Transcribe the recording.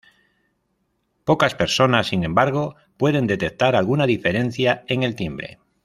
Pocas personas, sin embargo, pueden detectar alguna diferencia en el timbre.